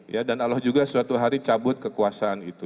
ya dan allah juga suatu hari cabut kekuasaan itu